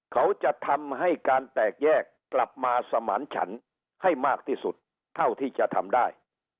เขาจะทำให้การแตกแยกกลับมาสมานฉันให้มากที่สุดเท่าที่จะทำได้